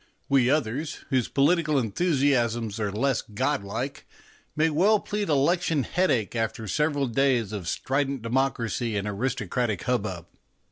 We others, whose political enthusiasms are less god like, may well 133 134 MONOLOGUES plead election headache after several days of strident democracy and aristocratic hubbub.